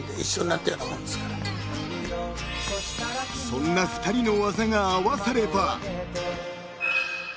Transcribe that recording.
［そんな２人の技が合わされば］